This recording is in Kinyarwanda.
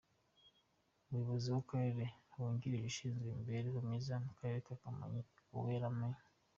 Umuyobozi w’Akarere wungirije ushinzwe imibrereho myiza mu karere ka Kamonyi, Uwera M.